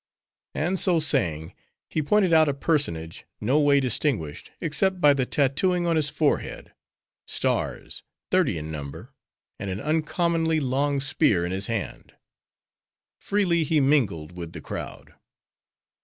And so saying, he pointed out a personage, no way distinguished, except by the tattooing on his forehead—stars, thirty in number; and an uncommonly long spear in his hand. Freely he mingled with the crowd.